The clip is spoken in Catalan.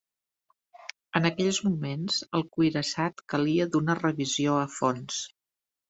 En aquells moments, el cuirassat calia d'una revisió a fons.